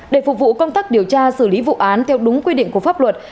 để phục vụ công tác điều tra xử lý vụ án theo đúng quy định của pháp luật